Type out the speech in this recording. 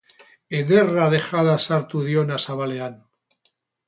Ederra dejada sartu diona zabalean.